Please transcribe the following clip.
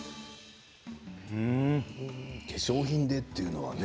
化粧品でというのはね。